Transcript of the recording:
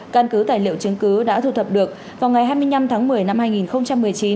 căn cứ tài liệu chứng cứ đã thu thập được vào ngày hai mươi năm tháng một mươi năm hai nghìn một mươi chín